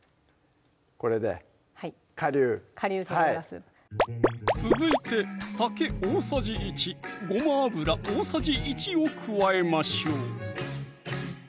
これで顆粒顆粒続いて酒大さじ１ごま油大さじ１を加えましょう